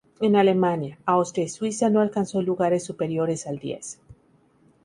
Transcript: En Alemania, Austria y Suiza no alcanzó lugares superiores al diez.